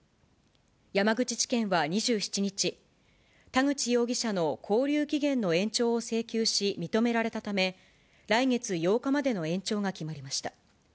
山口地検は２７日、田口容疑者の勾留期限の延長を請求し、認められたため、来月８日までの延長が決まりました。